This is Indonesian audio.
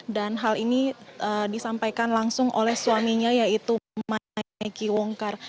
dan hal ini disampaikan langsung oleh suaminya yaitu maiki wongkar